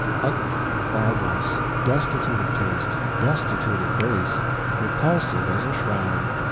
Ugly, barbarous, destitute of taste, destitute of grace, repulsive as a shroud.